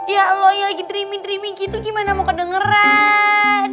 ya elo lagi dreaming dreaming gitu gimana mau kedengeran